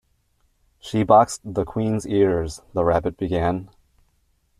‘She boxed the Queen’s ears—’ the Rabbit began.